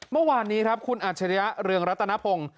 เมื่อวานนี้ครับคุณอัจฉริยะเรืองรัตนพงศ์